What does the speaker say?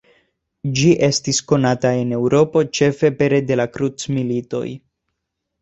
Ĝi estis konata en Eŭropo ĉefe pere de la krucmilitoj.